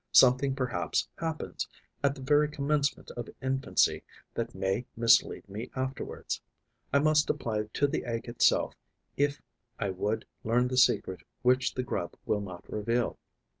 Something perhaps happens, at the very commencement of infancy, that may mislead me afterwards. I must apply to the egg itself if I would learn the secret which the grub will not reveal.